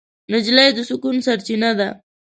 نجلۍ د سکون سرچینه ده.